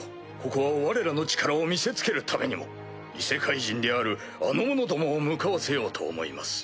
ここはわれらの力を見せつけるためにも異世界人であるあの者どもを向かわせようと思います。